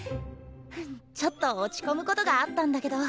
ちょっと落ち込むことがあったんだけど